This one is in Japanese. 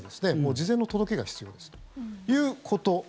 事前の届けが必要ですということ。